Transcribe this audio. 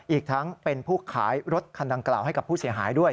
อีกทั้งเป็นผู้ขายรถคันดังกล่าวให้กับผู้เสียหายด้วย